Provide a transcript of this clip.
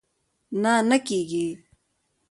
نه، نه کېږي